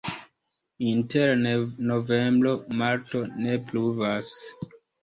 Inter novembro-marto ne pluvas.